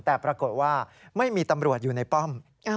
แต่ปรากฏว่าไม่มีตำรวจอยู่ในป้อม